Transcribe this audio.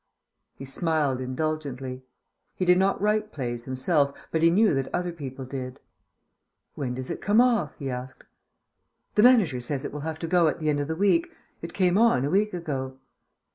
He smiled indulgently. He did not write plays himself, but he knew that other people did. "When does it come off?" he asked. "The manager says it will have to at the end of the week. It came on a week ago."